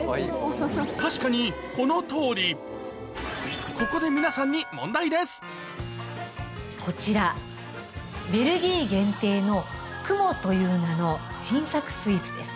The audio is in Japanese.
確かにこのとおりここで皆さんにこちらベルギー限定のＫＵＭＯという名の新作スイーツです。